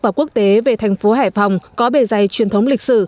và quốc tế về thành phố hải phòng có bề dày truyền thống lịch sử